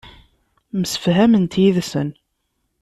Msefhament yid-sen.